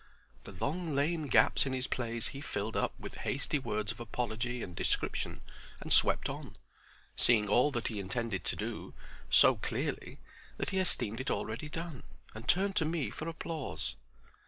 The long lame gaps in his plays he filled up with hasty words of apology and description and swept on, seeing all that he intended to do so clearly that he esteemed it already done, and turned to me for applause.